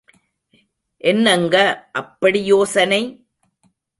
என்னங்க அப்படி யோசனை?